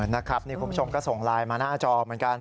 คุณผู้ชมก็ส่งไลน์มาหน้าจอเหมือนกัน